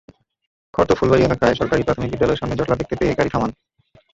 খর্দ ফুলবাড়ী এলাকার সরকারি প্রাথমিক বিদ্যালয়ের সামনে জটলা দেখতে পেয়ে গাড়ি থামান।